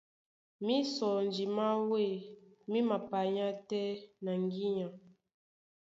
Mísɔnji má wêy mí mapanyá tɛ́ na ŋgínya.